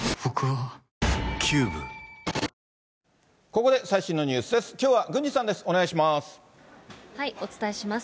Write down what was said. ここで最新のニュースです。